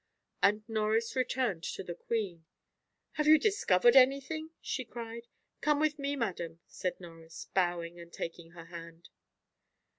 And Norris returned to the queen. "Have you discovered anything?" she cried. "Come with me, madam," said Norris, bowing and taking her hand.